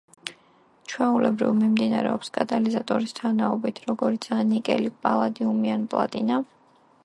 ჩვეულებრივ მიმდინარეობს კატალიზატორის თანაობით, როგორიცაა ნიკელი, პალადიუმი ან პლატინა.